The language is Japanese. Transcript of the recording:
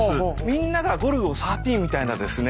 みんながゴルゴ１３みたいなですね